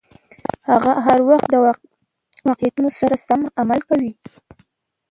هغه هر وخت له واقعیتونو سره سم عمل کاوه.